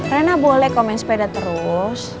rena boleh kok main sepeda terus